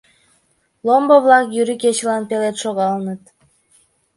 Ломбо-влак Йӱри кечылан пелед шогалыныт!